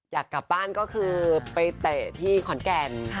อยากกลับบ้านก็คือไปเตะที่ขอนแก่น